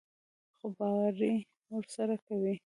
خوباري ورسره کوي.